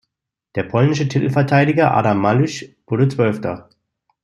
Der polnische Titelverteidiger Adam Małysz wurde zwölfter.